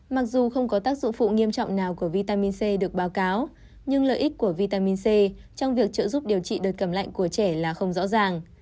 mặc dù không có tác dụng phụ nghiêm trọng nào của vitamin c được báo cáo nhưng lợi ích của vitamin c trong việc trợ giúp điều trị đợt cầm lạnh của trẻ là không rõ ràng